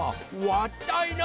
わったいな！